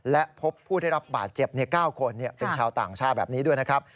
และพบผู้ได้รับบาดเจ็บ๙คนเป็นชาวต่างชาติแบบนี้ด้วยนะครับ